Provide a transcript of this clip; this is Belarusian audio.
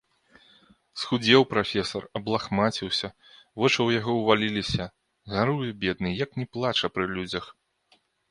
Схудзеў прафесар, аблахмаціўся, вочы ў яго ўваліліся, гаруе бедны, як не плача пры людзях.